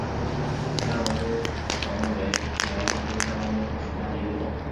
珊瑚藤为蓼科珊瑚藤属下的一个种。